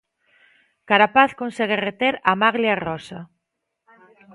Carapaz consegue reter a maglia rosa.